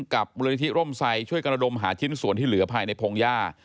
กับมูลนิธิร่มไซดช่วยกระดมหาชิ้นส่วนที่เหลือภายในพงหญ้า